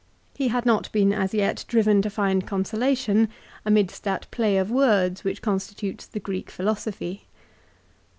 He had not been as yet driven to find con solation amidst that play of words which constitutes the Greek philosophy.